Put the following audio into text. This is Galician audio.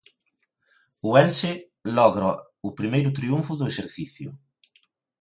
O Elxe logra o primeiro triunfo do exercicio.